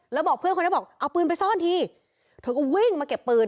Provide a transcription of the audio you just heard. แล้วบอกเพื่อนคนนั้นบอกเอาปืนไปซ่อนทีเธอก็วิ่งมาเก็บปืน